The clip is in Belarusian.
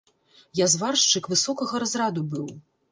Я зваршчык высокага разраду быў.